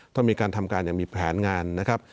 ต้องมีการทำการอย่างมีแผนงานนะครับ